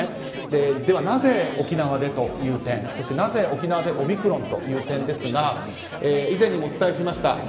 では、なぜ沖縄でという点そしてなぜ沖縄でオミクロンという点ですが以前にもお伝えしました。